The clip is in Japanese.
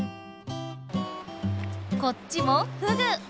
こっちもフグ！